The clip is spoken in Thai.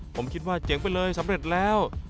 ผมคิดว่าเจ๋งไปเลยสำเร็จแล้ว